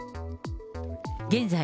現在、